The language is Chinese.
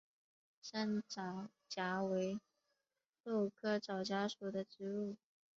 山皂荚为豆科皂荚属的植物。